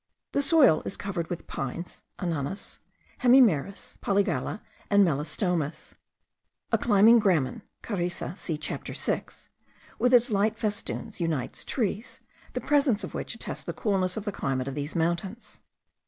The soil is covered with pines (ananas), hemimeris, polygala, and melastomas. A climbing gramen* (* Carice. See Chapter 6.) with its light festoons unites trees, the presence of which attests the coolness of the climate of these mountains.